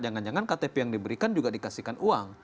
jangan jangan ktp yang diberikan juga dikasihkan uang